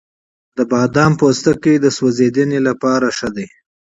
د بادامو پوستکی د سون لپاره ښه دی؟